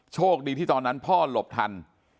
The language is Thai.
โชคดีที่ตอนนั้นพ่อหลบทัน